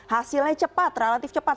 hasilnya cepat relatif cepat